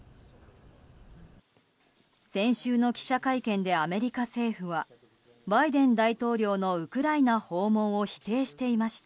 先週の記者会見でアメリカ政府はバイデン大統領のウクライナ訪問を否定していました。